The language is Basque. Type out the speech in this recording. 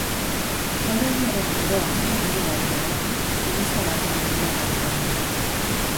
Jauregiaren ondoan, mendebaldera, eliza baten hondarrak daude.